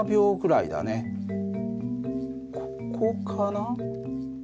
ここかな。